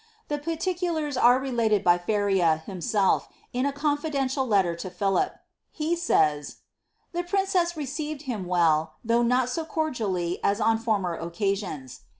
The particulars are related by Feria, himself, in a con fidential letter to Philip.' He says, ^ the princess received him well, though not so cordially as on former occasions."